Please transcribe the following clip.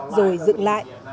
rồi dựng lại